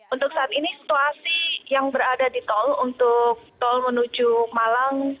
untuk saat ini situasi yang berada di tol untuk tol menuju malang